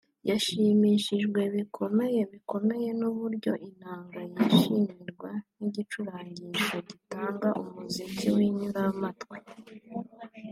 yashimishijwe bikomeye bikomeye n’uburyo inanga yishimirwa nk’igicurangisho gitanga umuziki w’inyuramatwi